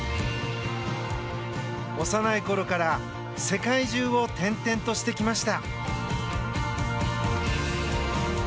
幼いころから世界中を転々としてきました。